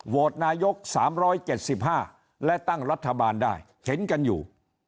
นายก๓๗๕และตั้งรัฐบาลได้เห็นกันอยู่